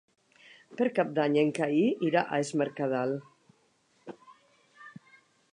Per Cap d'Any en Cai irà a Es Mercadal.